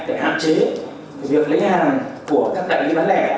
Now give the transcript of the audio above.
để hạn chế việc lấy hàng của các đại lý bán lẻ